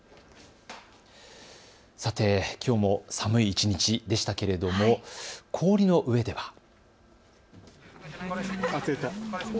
さて、きょうも寒い一日でしたけれども氷の上では。